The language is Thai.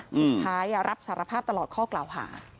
สุดท้ายรับสารภาพตลอดข้อกล่าวหา